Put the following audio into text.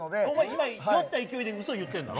今、酔った勢いで嘘言ってるだろ。